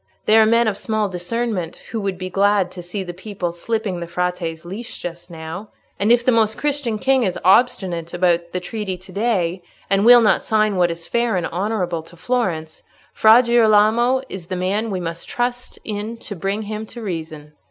They are men of small discernment who would be glad to see the people slipping the Frate's leash just now. And if the Most Christian King is obstinate about the treaty to day, and will not sign what is fair and honourable to Florence, Fra Girolamo is the man we must trust in to bring him to reason."